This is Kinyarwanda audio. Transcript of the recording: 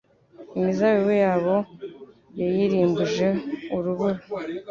Imizabibu yabo yayirimbuje urubura